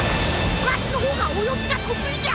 わしのほうがおよぎがとくいじゃ！